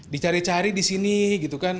dicari cari di sini gitu kan